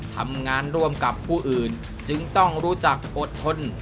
ทำงานร่วมกับผู้อื่นจึงต้องรู้จักอดทน